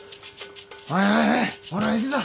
おいおいおいほら行くぞ。